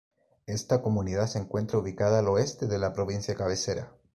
Esta comunidad se encuentra ubicada al Oeste de la provincia cabecera.